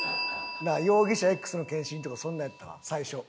『容疑者Ｘの献身』とかそんなんやったわ最初。